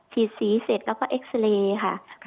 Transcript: ฉีดสีเสร็จแล้วก็เอ็กซาเรย์ค่ะ